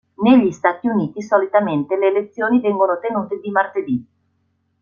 Negli Stati Uniti solitamente le elezioni vengono tenute di martedì.